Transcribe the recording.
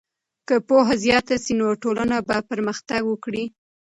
که پوهه زیاته سي نو ټولنه به پرمختګ وکړي.